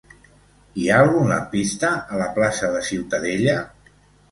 Hi ha algun lampista a la plaça de Ciutadella?